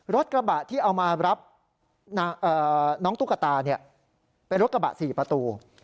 รถกระบะที่เอามารับน้องตุ๊กตาเป็นรถกระบะ๔ประตู